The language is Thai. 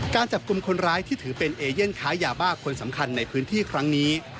การจับกลุ่มคนร้ายที่ถือเป็นเอเย่นค้ายาบ้าคนสำคัญในพื้นที่ครั้งนี้